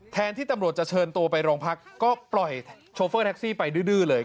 ที่ตำรวจจะเชิญตัวไปโรงพักก็ปล่อยโชเฟอร์แท็กซี่ไปดื้อเลย